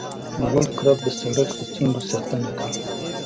لوړ کرب د سرک د څنډو ساتنه کوي